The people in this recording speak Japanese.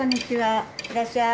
いらっしゃい。